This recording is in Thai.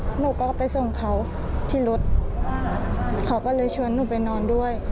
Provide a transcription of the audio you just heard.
หนูก็ไปส่งเขาที่รถเขาก็เลยชวนหนูไปนอนด้วย